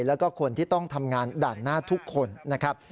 แล้วก็คนที่ต้องทำงานด่านหน้าทุกคนนะครับ